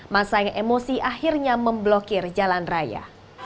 masa yang emosi akhirnya memblokir jalan raya